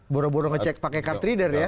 boro boro ngecek pakai kartrider ya